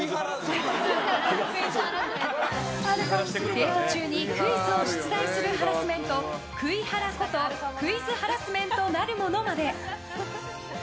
デート中にクイズを出題するハラスメントクイハラことクイズハラスメントなるものまで。